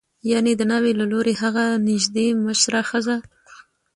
یعنې د ناوې له لوري هغه نژدې مشره ښځه